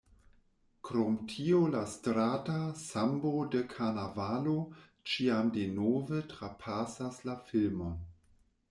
Krom tio la strata sambo de karnavalo ĉiam denove trapasas la filmon.